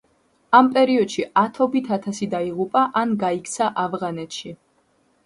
ამ პერიოდში ათობით ათასი დაიღუპა ან გაიქცა ავღანეთში.